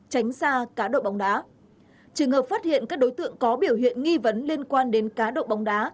tránh xa cá độ bóng đá trường hợp phát hiện các đối tượng có biểu hiện nghi vấn liên quan đến cá độ bóng đá